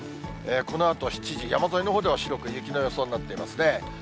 このあと７時、山沿いのほうでは白く雪の予想になってますね。